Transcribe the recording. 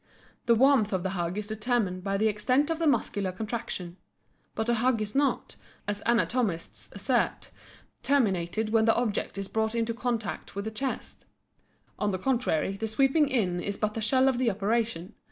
The warmth of the hug is determined by the extent of the muscular contraction. But the hug is not, as anatomists assert, terminated when the object is brought in contact with the chest. On the contrary the sweeping in is but the shell of the operation.